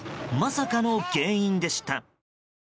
まさかの原因でした。